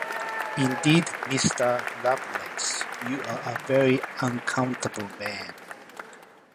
Indeed, Mr. Lovelace, you are a very unaccountable man.